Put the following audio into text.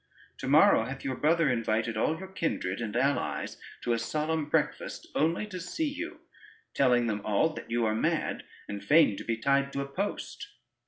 To morrow hath your brother invited all your kindred and allies to a solemn breakfast, only to see you, telling them all that you are mad, and fain to be tied to a post.